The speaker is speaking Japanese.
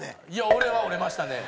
俺は折れましたね。